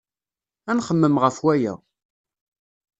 Ad nxemmem ɣef waya.